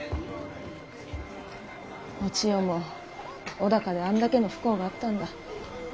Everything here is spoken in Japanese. お千代も尾高であんだけの不幸があったんだ。